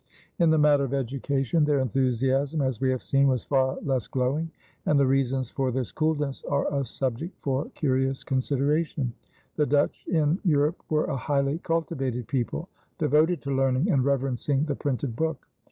In the matter of education their enthusiasm, as we have seen, was far less glowing, and the reasons for this coolness are a subject for curious consideration. The Dutch in Europe were a highly cultivated people, devoted to learning and reverencing the printed book.